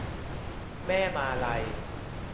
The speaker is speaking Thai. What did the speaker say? แม่มาลัย